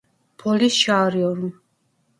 Polis çağırıyorum.